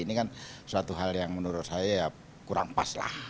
ini kan suatu hal yang menurut saya ya kurang pas lah